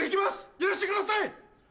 やらしてください！